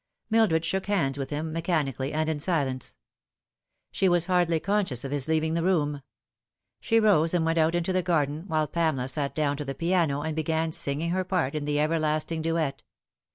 Mildred shook hands with him mechanically and in silence. 128 The Fatal Three. She was hardly conscious of his leaving the room. She rose and went out into the garden, while Pamela sat down to the piano and began singing her part in the everlasting duet.